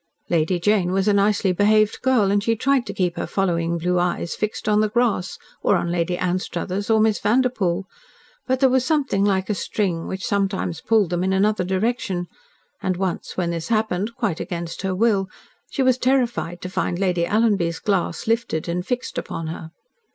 Lady Jane was a nicely behaved girl, and she tried to keep her following blue eyes fixed on the grass, or on Lady Anstruthers, or Miss Vanderpoel, but there was something like a string, which sometimes pulled them in another direction, and once when this had happened quite against her will she was terrified to find Lady Alanby's glass lifted and fixed upon her.